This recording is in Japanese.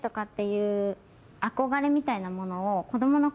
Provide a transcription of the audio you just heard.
みたいなものを。